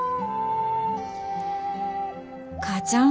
母ちゃん。